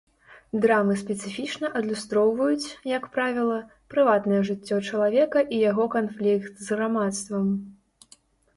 Драмы спецыфічна адлюстроўваюць, як правіла, прыватнае жыццё чалавека і яго канфлікт з грамадствам.